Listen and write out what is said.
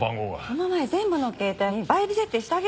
この前全部の携帯にバイブ設定してあげたでしょ！